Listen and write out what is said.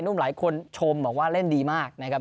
หลายคนชมบอกว่าเล่นดีมากนะครับ